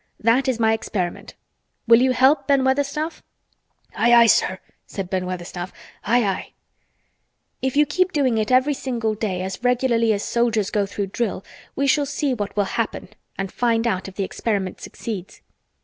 That is my experiment Will you help, Ben Weatherstaff?" "Aye, aye, sir!" said Ben Weatherstaff. "Aye, aye!" "If you keep doing it every day as regularly as soldiers go through drill we shall see what will happen and find out if the experiment succeeds.